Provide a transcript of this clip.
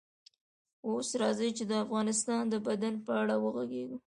اوس راځئ چې د انسان د بدن په اړه وغږیږو